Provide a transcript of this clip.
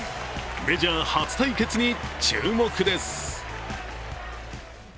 メジャー初対決に注目です。